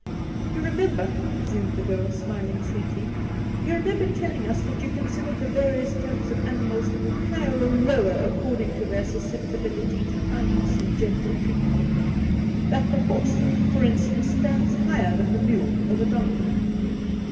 ' You remember,' resumed the girl, smiling sweetly —' you remember telling us that you con sidered the various types of animals higher or lower according to their susceptibility to kindness and gentle treatment — ^that the horse, for instance, stands higher than the mule or the donkey.